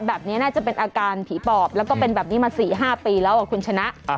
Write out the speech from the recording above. แบบนี้น่าจะเป็นอาการผีปอบแล้วก็เป็นแบบนี้มา๔๕ปีแล้วคุณชนะ